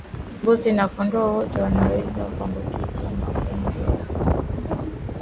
Mbuzi na kondoo wote wanaweza kuambukizwa ugonjwa huu lakini huathiri mbuzi zaidi